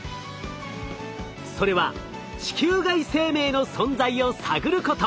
それは地球外生命の存在を探ること。